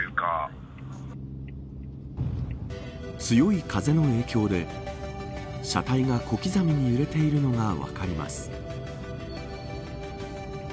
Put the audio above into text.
強い風の影響で車体が小刻みに揺れているのが分かります。